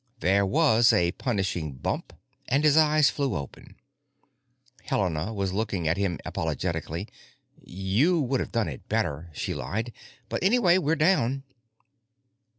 There was a punishing bump and his eyes flew open. Helena was looking at him apologetically. "You would have done it better," she lied, "but anyway we're down."